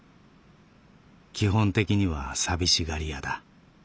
基本的には寂しがり屋だ」。